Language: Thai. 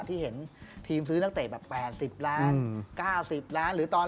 ที่เห็นทีมซื้อนักเตะแบบ๘๑๐ล้าน